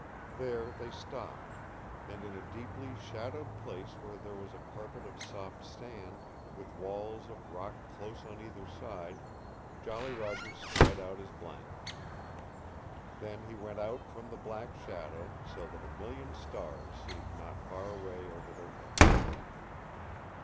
There they stopped, and in a deeply shadowed place where there was a carpet of soft sand, with walls of rock close on either side, Jolly Roger spread out his blankets. Then he went out from the black shadow, so that a million stars seemed not far away over their heads.